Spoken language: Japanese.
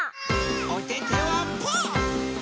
おててはパー！